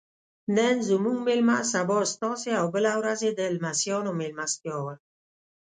نن زموږ میلمه سبا ستاسې او بله ورځ یې د لمسیانو میلمستیا وه.